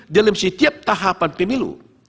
dalam setiap tahapan pemilu